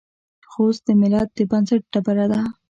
خوست د ملت د بنسټ ډبره ده.